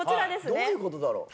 どういうことだろう？